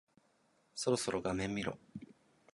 そろそろ画面見ろ。